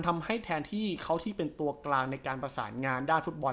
แทนที่เขาที่เป็นตัวกลางในการประสานงานด้านฟุตบอล